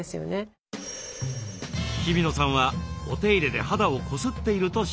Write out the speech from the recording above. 日比野さんはお手入れで肌をこすっていると指摘。